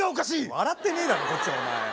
笑ってねえだろこっちはお前よ。